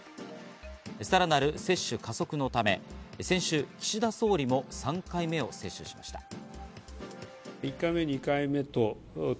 さらなる接種加速のため先週、岸田総理も３回目を接種しました。